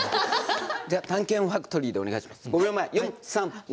「探検ファクトリー」でお願いします。